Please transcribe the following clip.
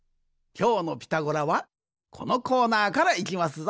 きょうの「ピタゴラ」はこのコーナーからいきますぞ。